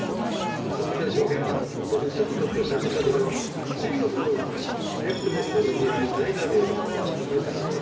そうしたら翔平が、ちょっとちょっとむっとしたんでしょうけど、次のボールをレフトのポール際にライナーで打ち込んだんです。